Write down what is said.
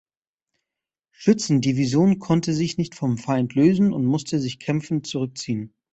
Schützendivision konnte sich nicht vom Feind lösen und musste sich kämpfend zurückziehen.